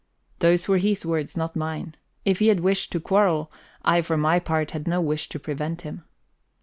Those were his words, not mine; if he had wished to quarrel, I for my part had no wish to prevent him.